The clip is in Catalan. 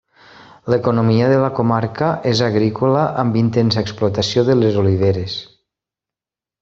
L'economia de la comarca és agrícola amb intensa explotació de les oliveres.